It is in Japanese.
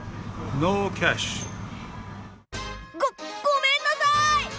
ごごめんなさい！